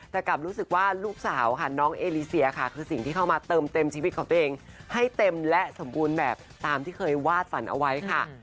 ไม่ได้รู้สึกว่าตัวเองมีลูกเลวเกินไปนะคะ